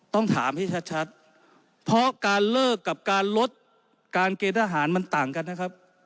ต้องถามให้ชัดเพราะการเลิกกับการลดการเกณฑ์ทหารมันต่างกันนะครับ